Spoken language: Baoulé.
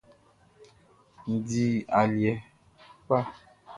N dili aliɛ kpa.